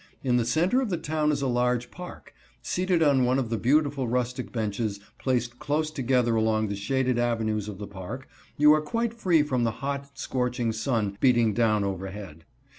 In the center of the town is a large park. Seated on one of the beautiful rustic benches, placed close together along the shaded avenues of the park, you are quite free from the hot, scorching sun beating down overhead.